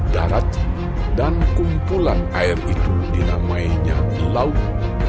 darat dan kumpulan air itu dinamainya laut